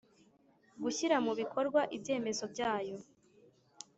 gushyira mu bikorwa ibyemezo byayo